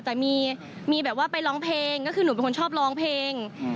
แต่มีแบบว่าไปร้องเพลงก็คือหนูเป็นคนชอบร้องเพลง